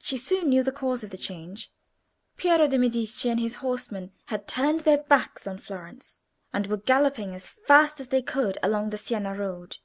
She soon knew the cause of the change. Piero de' Medici and his horsemen had turned their backs on Florence, and were galloping as fast as they could along the Siena road.